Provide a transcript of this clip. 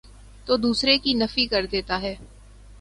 تودوسرے کی نفی کردیتا ہے۔